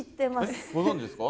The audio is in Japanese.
えっご存じですか？